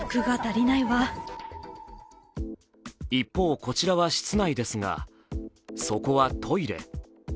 一方、こちらは室内ですが、そこはトイレ。